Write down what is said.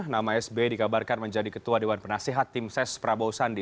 nama sb dikabarkan menjadi ketua dewan penasihat tim ses prabowo sandi